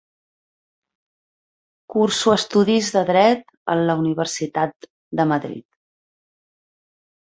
Curso estudis de Dret en la Universitat de Madrid.